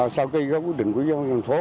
sau khi có quyết định của giáo dục thành phố